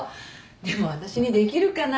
でも私にできるかな？